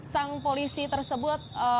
sang polisi tersebut